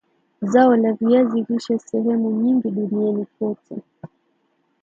zao la viazi lishe sehemu nyingi duniani kote